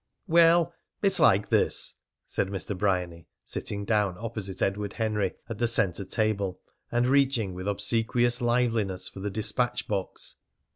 "Well, it's like this," said Mr. Bryany, sitting down opposite Edward Henry at the centre table, and reaching with obsequious liveliness for the despatch box.